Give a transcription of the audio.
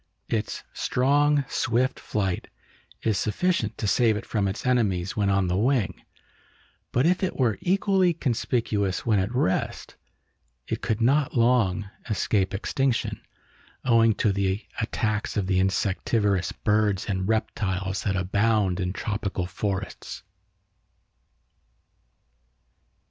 Its strong, swift flight is sufficient to save it from its enemies when on the wing, but if it were equally conspicuous when at rest, it could not long escape extinction owing to the attacks of the insectivorous birds and reptiles that abound in tropical forests."